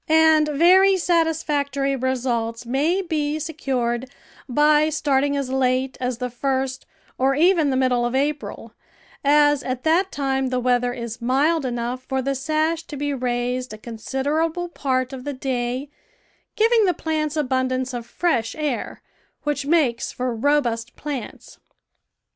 And very satisfactory results may be se CONSTRUCTION AND CARE OF HOTBEDS cured by starting as late as the first or even the middle of April, as at that time the weather is mild enough for the sash to be raised a considerable part of the day, giving the plants abundance of fresh air, which makes for robust plants.